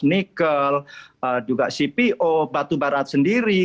nikel juga cpo batu barat sendiri